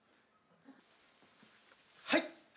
はい。